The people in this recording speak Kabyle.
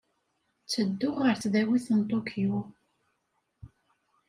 Ttedduɣ ɣer Tesdawit n Tokyo.